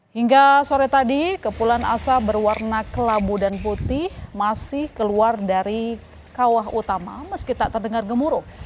hingga sore tadi kepulan asap berwarna kelabu dan putih masih keluar dari kawah utama meski tak terdengar gemuruh